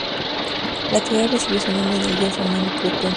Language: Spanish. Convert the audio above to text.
La teoría recibió su nombre del dios romano Plutón.